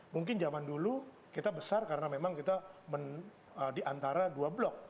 mungkin zaman dulu kita besar karena memang kita di antara dua blok